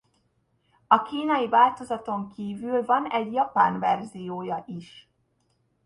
A kínai változaton kívül van egy japán verziója is.